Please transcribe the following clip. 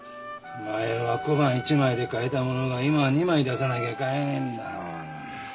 前は小判１枚で買えたものが今は２枚出さなきゃ買えねえんだ。